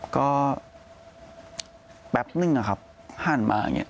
ก็แป๊บนึงอะครับหันมาอย่างนี้